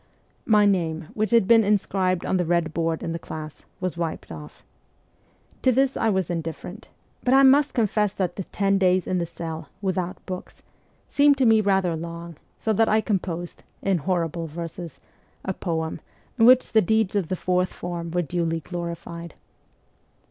My name, which had been inscribed on the red board in the class, was wiped off. To this I was indifferent ; but I must confess that the ten days in the cell, without books, seemed to me rather long, so that I composed (in horrible verses) a THE CORPS OF PAGES 109 poem, in which the deeds of the fourth form were duly glorified.